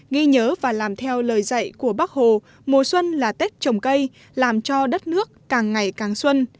ghi nhớ và làm theo lời dạy của bác hồ mùa xuân là tết trồng cây làm cho đất nước càng ngày càng xuân